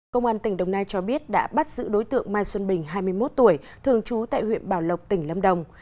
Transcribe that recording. công an tỉnh đồng nai cho biết đã bắt giữ đối tượng mai xuân bình hai mươi một tuổi thường trú tại huyện bảo lộc tỉnh lâm đồng